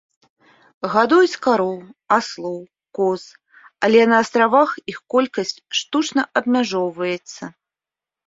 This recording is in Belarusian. Гадуюць кароў, аслоў, коз, але на астравах іх колькасць штучна абмяжоўваецца.